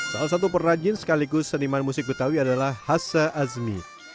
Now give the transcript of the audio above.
salah satu perajin sekaligus seniman musik betawi adalah hasa azmi